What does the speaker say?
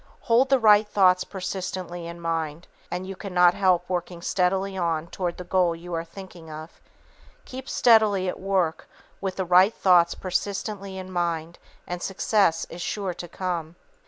Hold the right thoughts persistently in mind, and you cannot help working steadily on toward the goal you are thinking of. Keep steadily at work with the right thoughts persistently in mind and success is sure to come.